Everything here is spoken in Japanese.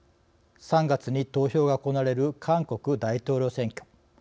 ３月に投票が行われる韓国大統領選挙。